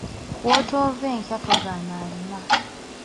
Wootoove nkya togaana alima.